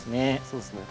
そうですね。